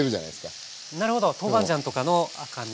なるほど豆板醤とかの赤み。